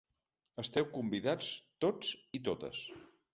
Esteu convidats tots i totes.